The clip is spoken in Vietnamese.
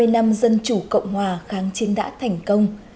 bảy mươi năm dân chủ cộng hòa kháng chiến đã thành công